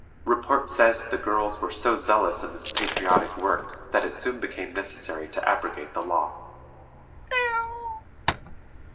Report says the girls were so zealous in this patriotic work that it soon became necessary to abrogate the law.